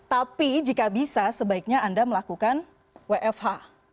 tapi jika bisa sebaiknya anda melakukan wfh